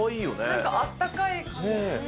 なんかあったかい感じ。